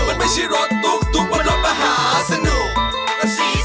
มันไม่ใช่รถตุ๊กตุ๊กมันรถประหาสนุก